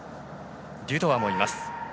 デュトワもいます。